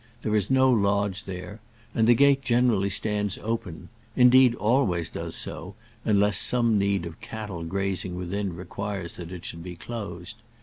There is no lodge there, and the gate generally stands open, indeed, always does so, unless some need of cattle grazing within requires that it should be closed.